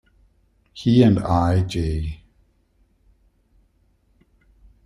He and I. J.